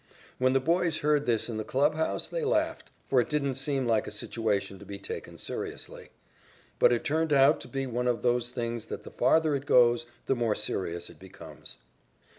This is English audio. When the boys heard this in the clubhouse, they laughed, for it didn't seem like a situation to be taken seriously. But it turned out to be one of those things that the farther it goes the more serious it becomes.